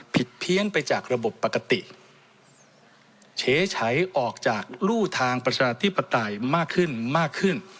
เพี้ยนไปจากระบบปกติเฉฉัยออกจากรู่ทางประชาธิปไตยมากขึ้นมากขึ้น